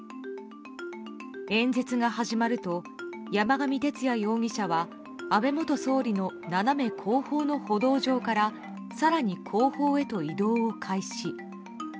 演説が始まると山上徹也容疑者は安倍元総理の斜め後方の歩道上から更に後方へと移動を開始。